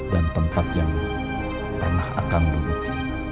dan tempat yang pernah akang duduk